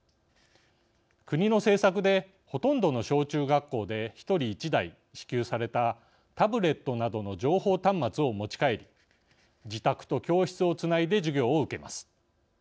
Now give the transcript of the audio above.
国の政策でほとんどの小中学校で１人１台支給されたタブレットなどの情報端末を持ち帰り、自宅と教室をつないで授業を受けます。